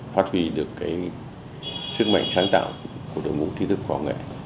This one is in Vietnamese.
phát huy được cái sức mạnh sáng tạo của đội ngũ trí thức khoa nghệ